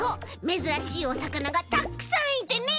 めずらしいおさかながたくさんいてね。